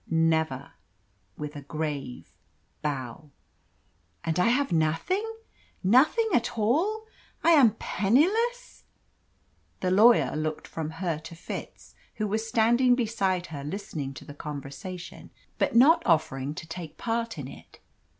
"Never" with a grave bow. "And I have nothing nothing at all! I am penniless?" The lawyer looked from her to Fitz, who was standing beside her listening to the conversation, but not offering to take part in it.